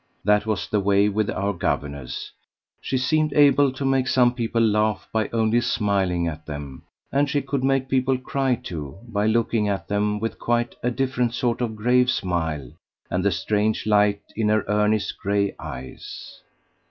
That was the way with our governess; she seemed able to make some people laugh by only smiling at them; and she could make people cry too by looking at them with quite a different sort of grave smile and the strange light in her earnest gray eyes.